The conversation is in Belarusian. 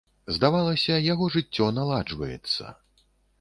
Здавалася, яго жыццё наладжваецца.